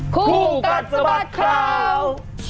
คู่กัดสะบัดข่าว